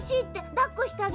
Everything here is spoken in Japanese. だっこしてあげて。